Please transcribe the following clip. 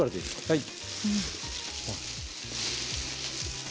はい。